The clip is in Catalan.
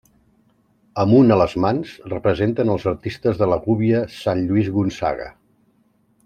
Amb un a les mans representen els artistes de la gúbia sant Lluís Gonçaga.